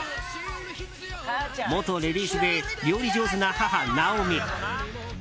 元レディースで料理上手な母ナオミ。